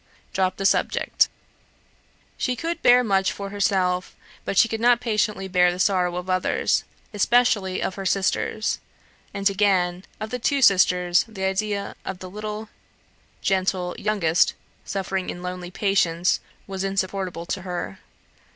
'Drop the subject.'" She could bear much for herself; but she could not patiently bear the sorrows of others, especially of her sisters; and again, of the two sisters, the idea of the little, gentle, youngest suffering in lonely patience, was insupportable to her.